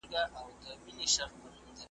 زه به مي دا عمر په کچکول کي سپلنی کړمه `